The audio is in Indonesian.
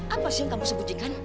apa sih yang kamu sebutin kan